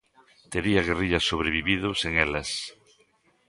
Tería a guerrilla sobrevivido sen elas?